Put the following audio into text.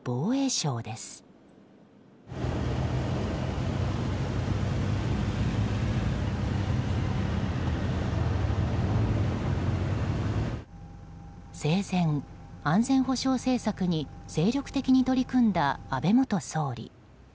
生前、安全保障政策に精力的に取り組んだ安倍元総理。